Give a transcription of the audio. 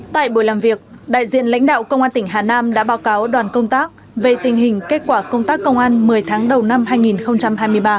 tại buổi làm việc đại diện lãnh đạo công an tỉnh hà nam đã báo cáo đoàn công tác về tình hình kết quả công tác công an một mươi tháng đầu năm hai nghìn hai mươi ba